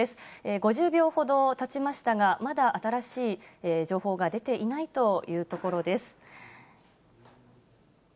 ５０秒ほどたちましたが、まだ新しい情報が出ていないというところです。